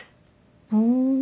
ふん